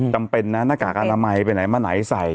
จำเป็นนะหน้ากากอนามัยไปไหนมาไหนใส่